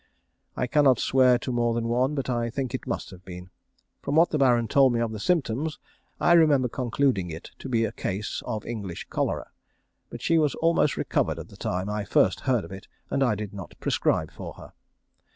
I cannot swear to more than one, but I think it must have been. From what the Baron told me of the symptoms, I remember concluding it to be a case of English cholera, but she was almost recovered at the time I first heard of it, and I did not prescribe for her.